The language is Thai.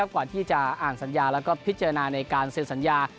ก่อนที่จะอ่านสัญญาแล้วก็พิจารณาในการเซ็นสัญญา